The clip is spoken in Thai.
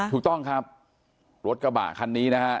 ถูกต้องครับรถกระบะคันนี้นะฮะ